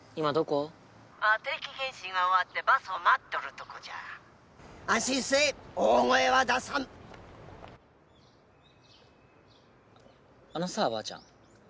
あぁ定期健診が終わってバスを待っとるとこじゃ安心せぇ大声は出さんあのさばあちゃん